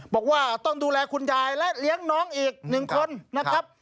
บอกว่าต้องดูแลคุณยายและเลี้ยงน้องอีก๑คนนะครับ